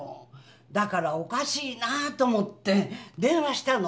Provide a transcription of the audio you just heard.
だからおかしいなぁと思って電話したの。